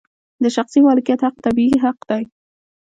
د شخصي مالکیت حق طبیعي حق دی.